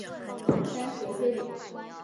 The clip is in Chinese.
三陲黑岭。